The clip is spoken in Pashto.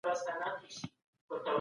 هر قوم خپل ځانګړی کلتور او دودونه لري.